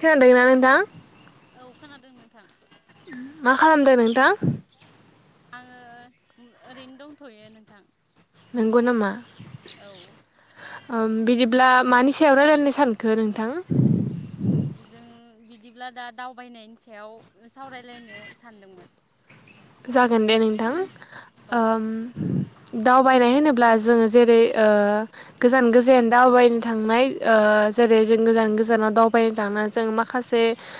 खोनादोंना नोंथां मा खालामदो नोंथां? आङो ओरैनो दंथ'यो नोंथां। नंगौ नामा? औ उम बिदिब्ला मानि सायाव रायजलायनो सानखो नोंथां। जों बिदिब्ला दा दावबायनायनि सायाव सावरायलायनो सानदोंमोन। औ दावबायनाय होनोब्ला जों जेरै ओ ओ गोजान गोजान दावबायनो थांनाय ओ जेरै जों गोजान गोजानाव दावबायनो थांनाय जों माखासे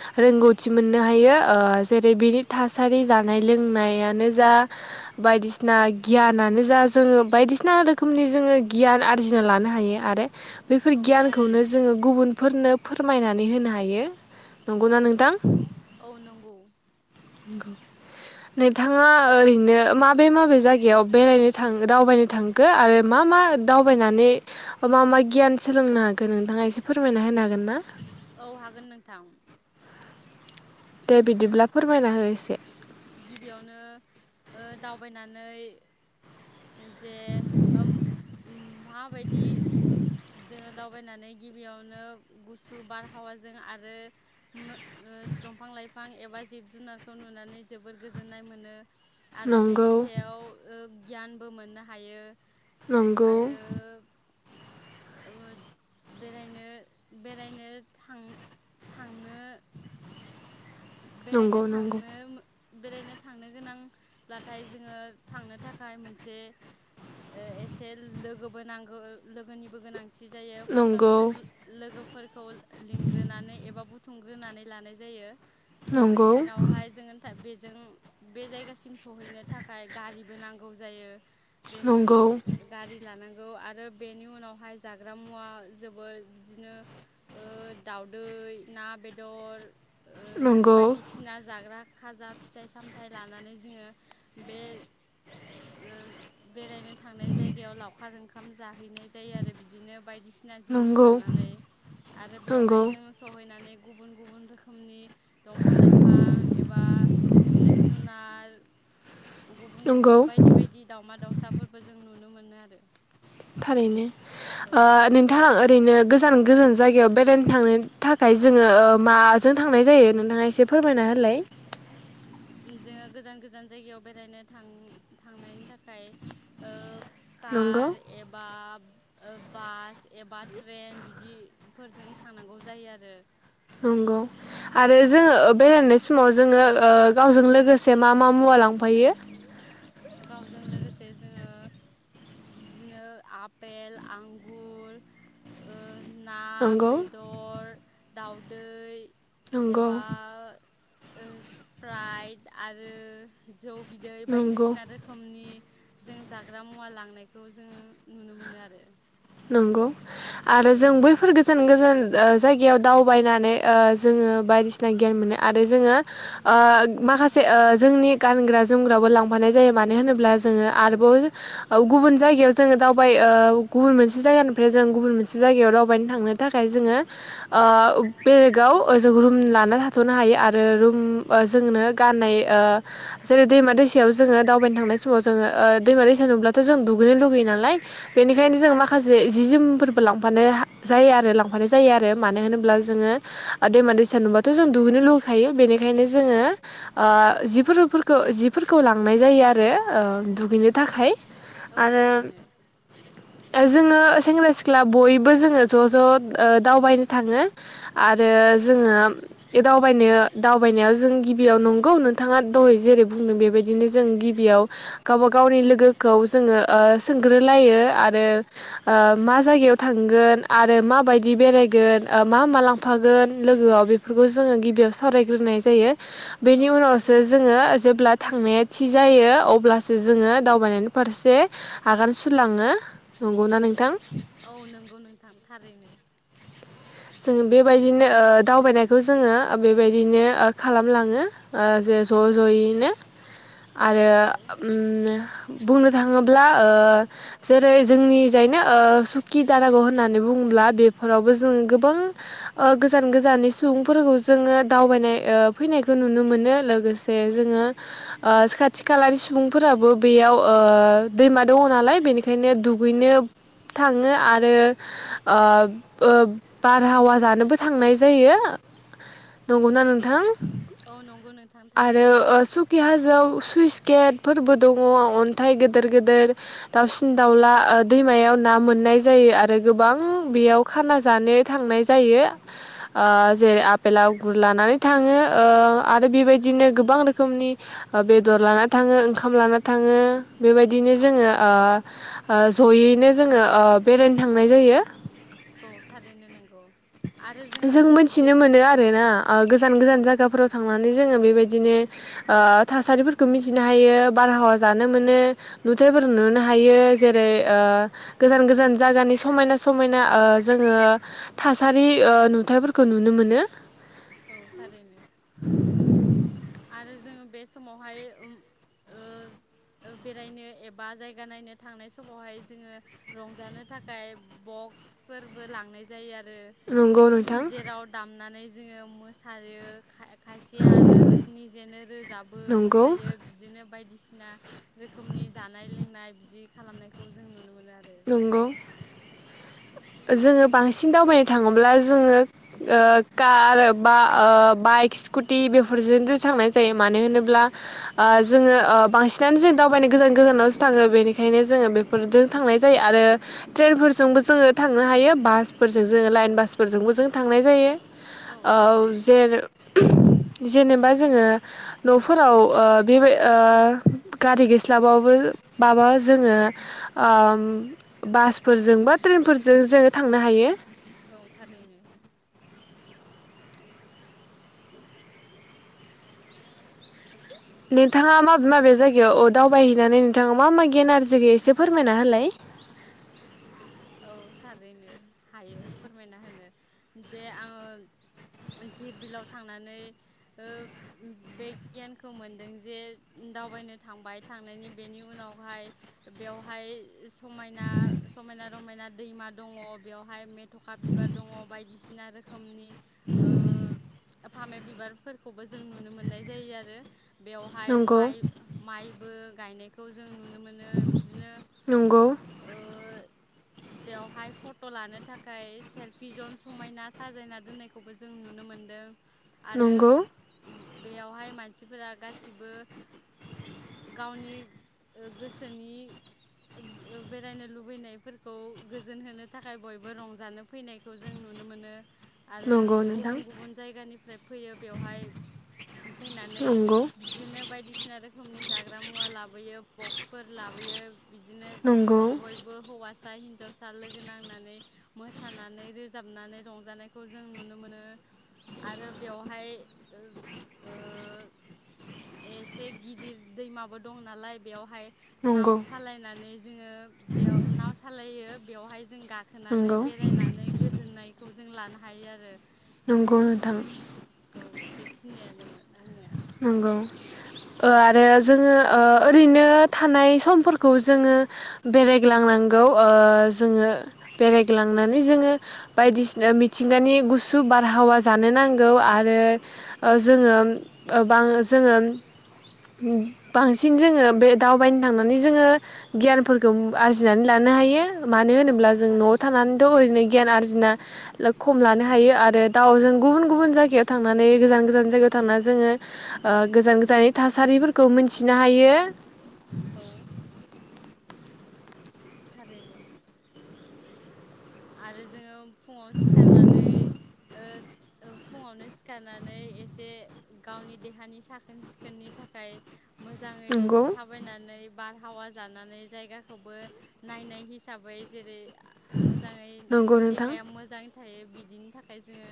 रोंगौथि मोननो हायो ओ जेरै बिनि थासारि जा फोरोंनायानो जा बायदिसिना गियानानो जा जोङो बायदिसिना रोखोमनि जोङो। गियान आरजिना लानो हायो आरो बैफोर गियानखौनो जोङो। गुबुनफोरनो फोरमायनानै होनो हायो नंगौना नोंथां। औ नंगौ। नंगौ नोंथाङा ओरैनो माबे माबे जायगायाव बेरायनो थाङो दावबायनो थाङो? खो आरो मा मा दावबायनानै मा मा गियान सोलोंनो हागो नोंथाङा एसे फोरमायना होनो हागोन ना? औ हागोन नोंथां। [unintelligible] गिबियावनो ओ दावबायनानै। जे उम उम माबायदि जोङो दावबायनानै। गिबियावनो गुसु बारहावाजों आरो मोन दंफां लाइफां। बिफां एबा जिब जुनारखौ नुनानै जोबोर गोजोननाय मोनो आरो बेनि सायाव, ओ गियानबो मोननो हायो। नंगौ। ओमो बेरायनो बेरायनो थां थांनो, बेरायनो थांनो मो बेरायनो थांनो गोनां नाथाय जोङो थांनो थाखाय मोनसे एसे लोगोबो नांगौ लोगोनिबो गोनांथि जायो। फार्स्ट आवनो जों लोगोफोरखौ लिंग्रोनानै एबा बुथुमग्रोनानै लानाय जायो। ओ सेकेण्ड आवहाय जोङो। बेजों बे जायगासिम सौहैनो थाखाय गारिबो नांगौ जायो। बेनि उनाव गारि लानांगौ आरो बेनि उनाव। ओमहाय जाग्रा मुवा जोबोद बिदिनो। ओ दाउदै ना बेदर ओ बायदिसि नाजाग्रा खाजा फिथाइ सामथाइ लानानै जोङो बे ओ बेरायनो थांनाय जायगायाव लावखार ओंखाम जाहैनाय जा जायो आरो बिदिनो बायदिसिना जिनिस लानानै आरो बेवहाय जों सहैनानै गुबुन -गुबुन रोखोमनि दंफां लाइफां एबा जिब जुनार। गुबुन बायदि -बायदि दावमा -दाउसाफोरबो जों नुनो मोनो आरो थारैनो ओ नोंथां ओरैनो गोजान गोजान जायगायाव बेरायनो थांनो थाख थाखाय जोङो ओ माजों थांनाय जायो नोंथाङा एसे फोरमायना होलाय जोङो गोजान गोजान जायगायाव बेरायनो थां थांनायनि थाखाय। ओ कार एबा ओ बास एबा ट्रेन बिदिफोरजों थांनांगौ जायो आरो आरो जोङो बेरायनाय समाव जोङो गावजों लोगोसे मा मा मुवा लां गावजों लोगोसे जोङो बिदिनो आप पेल आंगुर ओ ना, बे दर दाउदै एबा ओ स्प्राइट आरो जौ बिदै बायदिसिना रो खोमनि जों जाग्रा मुवा लांनायखौ जों नुनो मोनो आरो। नंगौ आरो जों बैफोर गोजान गोजान जायगायाव दावबायनानै ओ जोङो बायदिसि मोजां गियान मोनो आरो जोङो ओ माखासे ओ जोंनि गानग्रा जोमग्राबो लां फानाय जायो मानो होनोब्ला जोङो आरोबाव गुबुन जायगायाव जोङो दावबाय ओ गुबुन मोनसे मोनसे जायगानिफ्राय जों गुबुन मोनसे जायगायाव दावबायनो थांनो थाखाय जोङो ओ बेलेगाव जों रुम लाना थाथ'नो हायो आरो रुम जोंनो गाननाय ओ जेरै दैमा दैसायाव जोङो दावबायनो थांनाय समाव जोङो ओ दैमा-दैसा नुब्लाथ' जों दुगैनो लुगयो नालाय औ थारै माखासे जि जोमफोरबो लांफानो जायो आरो लांफानाय जायो आरो मानो होनोब्ला जोङो दैमा दैसा नुबाथ' जों दुगैनो लुखायो। बेनिखायनो जोङो ओ जिफोरफोरखौ खौ जिफोरखौ लांनाय जायो आरो ओ दुगैनो थाखाय आरो जोङो सेंग्रा सिख्ला बयबो जोङो ज' ज' ओ दावबायनो थाङो। आरो जोङो दावबायनो दावबायनायाव जों गिबियाव नंगौ नोंथाङा दहै जेरै बुंदों बेबायदिनो जों गिबियाव गावबा गावनि लोगोखौ जोङो ओ सोंग्रोलायो आरो आरो ओ मा जायगायाव थांगोन आरो माबायदि बेरायगोन ओ मा मा लांफागोन लोगोआव बे खौबो जोङो गिबियाव सावरायग्रोनाय जायो। बेनि उनावसो जोङो जेब्ला थांनाया थि जायो अब्लासो जोङो दावबायनायनि फारसे आगान सु रलाङो नंगौना नोंथां! औ नंगौ नोंथां थारैनो जोङो बेबायदिनो ओ दावबायनायखौ जोङो बे बाय दिनो खालामलाङो ओ जे ज' ज'यैनो आरो उम बुंनो थाङोब्ला ओ जेरै जोंनि जायनो ओ सुखि दारागाव होननानै बुङोब्ला बेफोरावबो जोङो गोब बां ओ गोजान गोजाननि सुबुंफोरखौ जोङो दावबायनाय ओ फैनायखौ नुनो मोनो लोगो से जोङो ओ खाथि खालानि सुबुंफोराबो बेयाव ओ ओ दैमा दङ' नालाय बेनिखायनो दुगैनो थाङो आरो ओब ओब बार हावा जानोबो थांनाय जायो नंगौना नोंथां! आरो ओ सु खि हाजोआव सुइस गेट फोरबो दङ' अन्थाइ गोदेर गोदेर दाउसिन दाउला दैमायाव ना मोननाय जायो आरो गोबां बेयाव खाना जानो थांनाय जायो। ओ जेरै आपेल आगुर लानानै थाङो ओ आरो बेबाय दिनो गोबां रोखोमनि बेदर लाना थाङो ओंखाम लाना थाङो बेबायदि बिदिनो जोङो ओ जयैनो जोङो ओ बेरायनो थांनाय जायो औ थारैनो नोंगौ जों मोनथिनो मोनो आरो ना गोजान गोजान जायगाफोराव थांनानै जोङो बेबायदिनो ओ थासारिफोरखौ मिथिनो हायो बारहावा जानो मोनो नुथायाइफोर नुनो हायो जेरै ओ गोजान गोजान जायगानि समायना समायना ओ जोङो थासारि ओ नुथायाइफोरखौ नुनो मोनो औ थारैनो। आरो जोङो बे समावहाय ओ ओ बे रायनो एबा जायगा नायनो थांनाय समावहाय जोङो रंजानो थाखाय बक्सफोरबो लांनाय जायो आरो। जेराव दामनानै जोङो मोसायो खायसे आरो निजेनो रोजाबो मोसायो बिदिनो बायदिसिना रोखोमनि जानाय लोंनाय बिदि खालामनायखौ जों नुनो मोनो आरो। नंगौ जोङो बांसिन दावबायनो थाङोब्ला जोङो ओ कार बा बाइक स्कुटि बेफोरजोंनो थांनाय जायो मानो होनोब्ला जोङो बांसिनानो जों दावबायनो गोजान गोजानावसो थाङो बेनिखायनो जोङो बेफोरजों थांनाय जायो आरो ट्रेनफोरजोंबो जोङो थांनो हायो बासफोरजों जोङो लाइन बासफोरजोंबो जों थांनाय जायो औ जे [unintelligible] जेनेबा जोङो न'फोराव ओ बे ओ गारि गैस्लाबा बाबो जोङो ओ बासफोरजों बा ट्रेनफोरजों जोङो थांनो हायो। औ थारैनो नोंथाङा माबे माबे जायगायाव ओ दावबायहैनानै नोंथाङा मा मा गियान आरजिखो एसे फोरमायना होलाय। औ थारैनो हायो फोरमायना होनो जे आङो धिर बिलाव थांनानै ओ बे गियानखौ मोनदों जे दावबायनो थांबाय थानायनि बेनि उनावहाय बेवहाय समायना समायना रमायना दैमा दङ बेवहाय मेथ'खा बिबार दङ बायदिसिना रोखोमनि ओ फामे बिबारफोरखौबो जों नुनो मोननाय जायो आरो बेवहाय माइ माइबो गायनायखौ जों नुनो मो नो बिदिनो ओ बेवहाय फट' लानो थाखाय सेल्फि जन समायना साजायना दोननायखौ बो जों नुनो मोनदों आरो बेयावहाय मानसिफोरा गासिबो गावनि ओ गोसोनि ओ-ओ-बेरायनो लुबैनायफोर खौ गोजोन होनो थाखाय बयबो रंजानो फैनायखौ जों नुनो मोनो। आरो गुबुन गुबुन जायगानिफ्राय फैयो बेवहाय फैनानै बिदिनो बायदिसि ना रोखोमनि जाग्रा मुवा लाबोयो बक्सफोर लाबोयो बिदिनो ओ बयबो हौवासा हिनजावसा लोगो नांनानै मोसानानै रोजाबनानै रंजानायखौ जों नुनो मोनो। आरो बेवहाय ओ एसे गिदिर दैमाबो दं नालाय बेयावहाय नाव सालायनानै जोङो बेयाव नाव सालायो बेवहाय जों गाखो नानै बेरायनानै गोजोननायखौ जों लानो हायो आरो। औ बेखिनियानोमोन आंनिया नंगौ ओ आरो जोङो ओरैनो थानाय समफोरखौ जोङो बेरायग्लांनां गौजौवाव ओ जोङो बेरायग्लांनानै जोङो बायदिसिना मि थिंगानि गुसु बारहावा जानो नांगौ आरो ओ जोङो ओ बा जोङो बांसिन जोङो बे दावबायनो थांनानै जोङो गियानफोरखौ आरजिनानै लानो हायो मानो होनोब्ला जों न'आव थानानैथ' ओरैनो गियान आरजिना खम लानो हायो आरो दाव जों गुबुन गुबुन जायगायाव थांनानै गोजान गोजान जायगायाव थांना जों ङो गोजान गोजाननि थासारिफोरखौ मोनथिनो हा औ थारैनो आरो जोङो फुङाव सिखारनानै फुङावनो सिखारनानै एसे गावनि देहानि साखोन सिखोननि थाखाय मोजाङै था थाबायनानै बारहावा जानानै जायगाखौबो नायनाय हिसाबै जेरै जाय देहाया मोजाङै मोजाङै थायो बिदिनि थाखाय जोङो।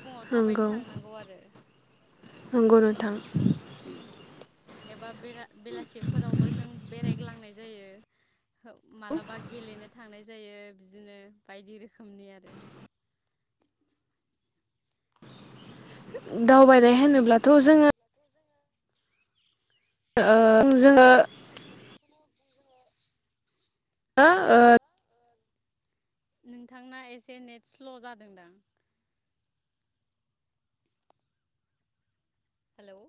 फुङाव थाबायनो थांनांगौ आरो। नंगौ नोंथां। [unintelligible] एबा बेला-बेलासिफोरावबो जों बेरायग्लांनाय जायो। मालाबा गेलेनो थांनाय जायो बिदिनो बायदि रोखोमनि आरो। दावबायनाय होनोब्लाथ' जोङो दाथ' जोङो ओ जोङो बेखौनो जोङो [unintelligible] यो ओ हो? नोंथांना एसे नेट स्ल' जादोंदां। हेल'।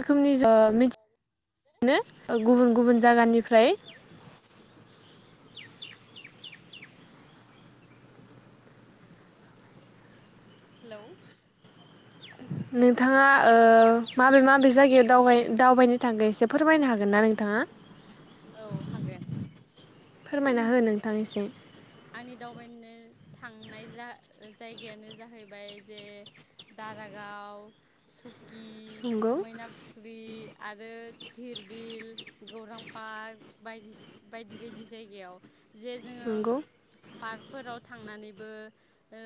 रोखोमनि ओ मिथि गुबुन गुबुन जागानिफ्राय। हेलौ। नोंथाङा ओ माबे माबे जायगायाव दावबाय-दावबायनो थांगो एसे फोरमायनो हागोन ना नोंथां? था। औ हागोन। फोरमायना हो नोंथांनिसिम। आंनि दावबायनो थांनाय जा जायगायानो जाहैबाय जे। दारागाव सुकि मैनाफु। ख्रि आरो धिरबिल गौरां पार्क बायदिसि। बायदि बायदि जायगायाव। जे जोङो पार्कफोराव थांनानैबो ओ।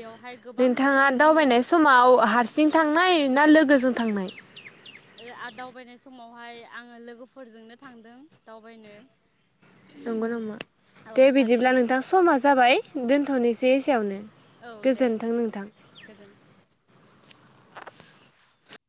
बेवहाय गोबां रोखोमनि। ओ हारसिं थांनाय ना लोगोजों थांनाय? रा दावबायनाय समावहाय आङो लोगोफोरजोंनो थांदों दावबायनो। नंगौ नामा दे बिदिब्ला नोंथां समा जाबाय दोनथ'नोसै एायावनो। औ दे गोजोन।